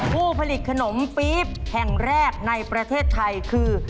ผู้ผลิตขนมปี๊บแห่งแรกในประเทศไทยคือ